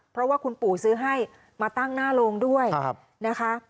เพราะว่าคุณปู่ซื้อให้มาตั้งหน้าโรงด้วยนะคะ